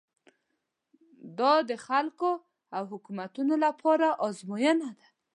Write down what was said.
دا د خلکو او حکومتونو لپاره ازموینه ده.